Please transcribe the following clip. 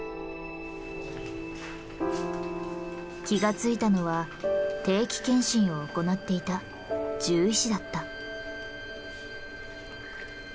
気が付いたのは定期検診を行っていた獣医師だった。